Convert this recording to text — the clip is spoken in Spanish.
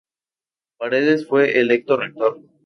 Paredes fue electo Rector.